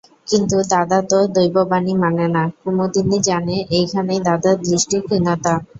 কিন্তু দাদা তো দৈববাণী মানে না, কুমুদিনী জানে এইখানেই দাদার দৃষ্টির ক্ষীণতা।